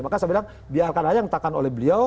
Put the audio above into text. maka saya bilang biarkan aja yang ditakan oleh beliau